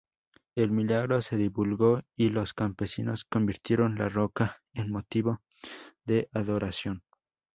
El milagro se divulgó y los campesinos convirtieron la roca en motivo de adoración.